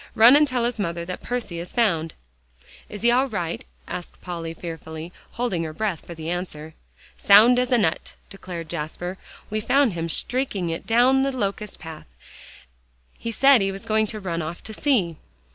Run and tell his mother that Percy is found." "Is he all right?" asked Polly fearfully, holding her breath for the answer. "Sound as a nut," declared Jasper; "we found him streaking it down the locust path; he said he was going to run off to sea."